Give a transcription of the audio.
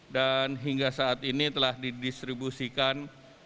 hingga saat ini telah didistribusikan